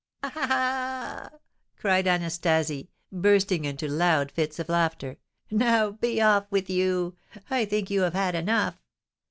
"Ah, ah, ah!" cried Anastasie, bursting into loud fits of laughter. "Now be off with you, I think you have had enough!"